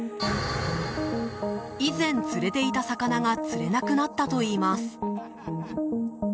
以前、釣れていた魚が釣れなくなったといいます。